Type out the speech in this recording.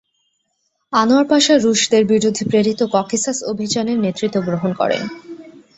Anwar Pasha রুশদের বিরুদ্ধে প্রেরিত ককেসাস অভিযানের নেতৃত্ব গ্রহণ করেন।